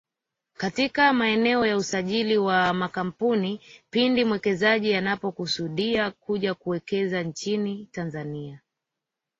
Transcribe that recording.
katika maeneo ya usajili wa makampuni pindi mwekezaji anapokusudia kuja kuwekeza nchini Tanzania